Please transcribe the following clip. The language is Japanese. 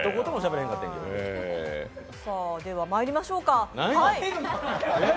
ではまいりましょうか！